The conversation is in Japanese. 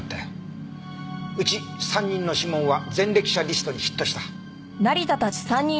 うち３人の指紋は前歴者リストにヒットした。